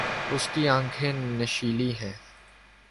اس کی آنکھیں نشیلی ہیں۔